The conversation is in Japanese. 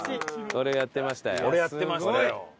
これやってましたよ。